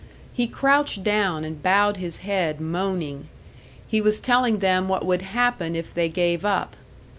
He crouched down and bowed his head, moaning; he was telling them what would happen if they gave up.